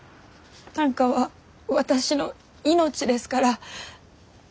短歌は私の命ですから。